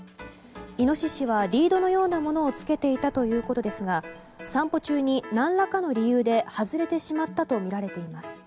イノシシはリードのようなものをつけていたということですが散歩中に何らかの理由で外れてしまったとみられています。